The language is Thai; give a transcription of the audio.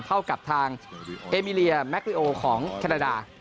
เท่ากับทางเอมิเลียแม็กริโอของแคนาดา